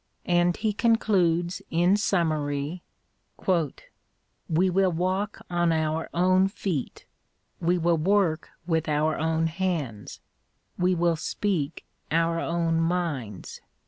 And he concludes in summary : We will walk on our own feet : we will work with our own hands : we will speak our own minds.